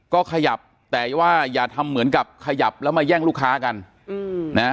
ก็ขยับแต่ว่าอย่าทำเหมือนกับขยับแล้วมาแย่งลูกค้ากันนะ